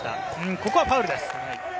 ここはファウルです。